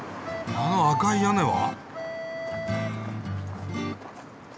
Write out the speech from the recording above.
あの赤い屋根は？